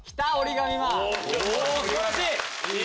素晴らしい！